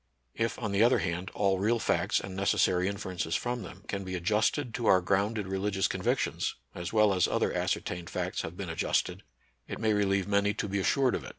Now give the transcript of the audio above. If, on the other hand, all real facts and necessary inferences from them can be ad justed to our grounded religious convictions, as well as other ascertained facts have been ad justed, it may relieve many to be assured of it.